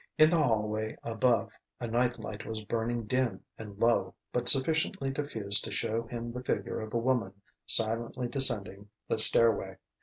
In the hallway above a night light was burning dim and low but sufficiently diffused to show him the figure of a woman silently descending the stairway.